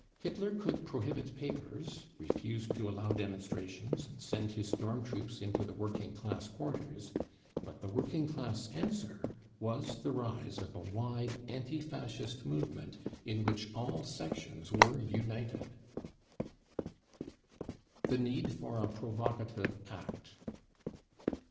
Hitler could prohibit papers. 50 BROWN BOOK OF THE HITLER TERROR refuse to ailow demonstrations, and sand his storm troops '"into the working class quarters — but the working class *. answer was the rise of a wide anti Fascist movement in which all sections were united. The Need for a Provocative Act.